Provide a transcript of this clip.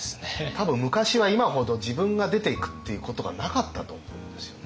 多分昔は今ほど自分が出ていくっていうことがなかったと思うんですよ。